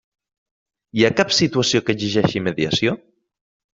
Hi ha cap situació que exigeixi mediació?